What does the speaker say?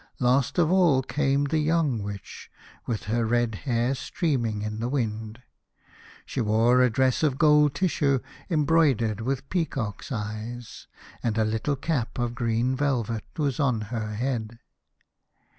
Last of all came the young Witch, with her red hair streaming in the wind. She wore a dress of gold tissue embroidered with pea cocks' eyes, and a little cap of green velvet was on her head.